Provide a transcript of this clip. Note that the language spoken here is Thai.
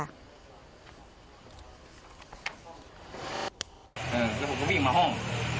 แล้วผมก็วิ่งมาห้อง